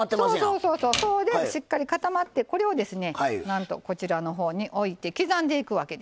そうそうそうそうでしっかり固まってこれをですねなんとこちらの方に置いて刻んでいくわけですよ。